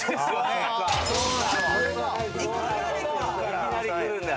いきなりくるんだ。